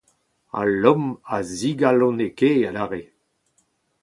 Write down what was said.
Ha Lom a zigalonekae adarre.